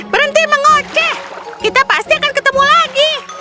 berhenti mengoceh kita pasti akan ketemu lagi